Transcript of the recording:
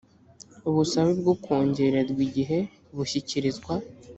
ubusabe bwo kongererwa igihe bushyikirizwa